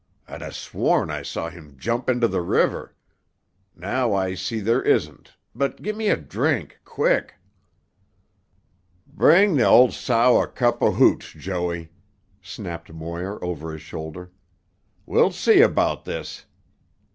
I'd 'a' sworn I saw him jump into the river. Now I see there isn't, but gimme a drink—quick!" "Bring tuh old sow a cup of hooch, Joey," snapped Moir over his shoulder. "Wilt see about this."